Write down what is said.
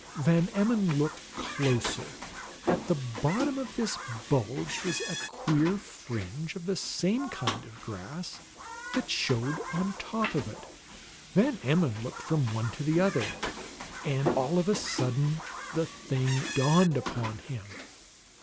Van Emmon looked closer. At the bottom of this bulge was a queer fringe of the same kind of grass that showed on top of it. Van Emmon looked from one to the other, and all of a sudden the thing dawned upon him.